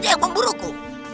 siapa yang membunuhku